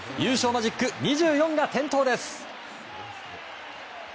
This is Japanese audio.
マジック２４が点灯です。